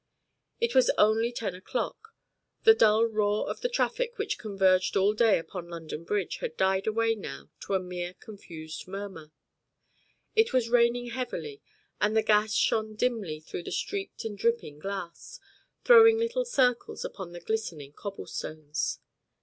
It was only ten o'clock. The dull roar of the traffic which converged all day upon London Bridge had died away now to a mere confused murmur. It was raining heavily, and the gas shone dimly through the streaked and dripping glass, throwing little circles upon the glistening cobblestones.